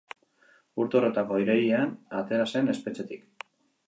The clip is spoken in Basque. Urte horretako irailean atera zen espetxetik.